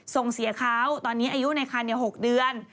ส่งเสียเขาตอนนี้อายุในคัน๖เดือน